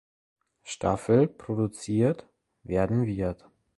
Staffel produziert werden wird.